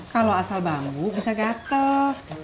kalau asal bambu bisa gatel